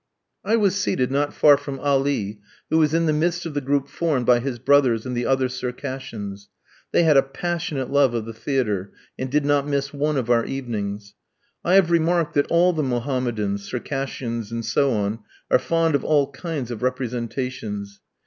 I was seated not far from Ali, who was in the midst of the group formed by his brothers and the other Circassians. They had a passionate love of the theatre, and did not miss one of our evenings. I have remarked that all the Mohammedans, Circassians, and so on, are fond of all kinds of representations.